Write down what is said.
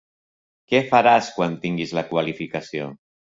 Què faràs quan tinguis la qualificació?